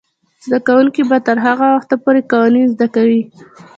زده کوونکې به تر هغه وخته پورې قوانین زده کوي.